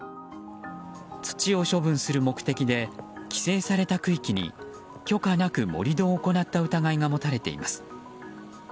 土を処分する目的で規制された区域に許可なく盛り土を行った疑いが持たれています。